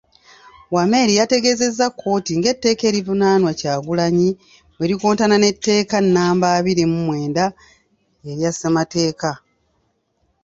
Wameli yategeeza kkooti ng'etteeka erivunaanwa Kyagulanyi bwe likontana n'etteeka nnamba abiri mu mwenda erya ssemateeka